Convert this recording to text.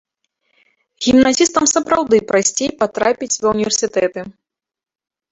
Гімназістам сапраўды прасцей патрапіць ва ўніверсітэты.